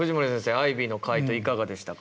アイビーの回答いかがでしたか？